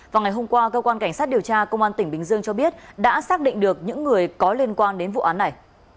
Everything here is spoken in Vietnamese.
vào ngày hôm qua cơ quan cảnh sát điều tra công an tỉnh bình dương cho biết đã xác định được những người có liên quan đến vụ án này